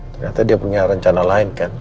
ternyata dia punya rencana lain kan